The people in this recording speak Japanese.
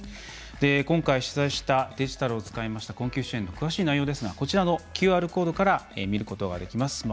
今回、取材したデジタルを使いました困窮支援の詳しい内容ですがこちらのＱＲコードから見ることができます。